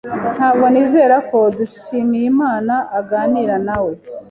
Ntabwo nizera ko Dushyimiyimana aganira nawe.